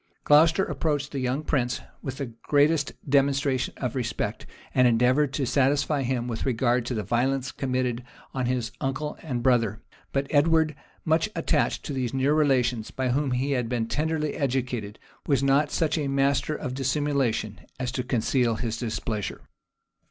Glocester approached the young prince with the greatest demonstrations of respect; and endeavored to satisfy him with regard to the violence committed on his uncle and brother: but Edward, much attached to these near relations, by whom he had been tenderly educated, was not such a master of dissimulation as to conceal his displeasure.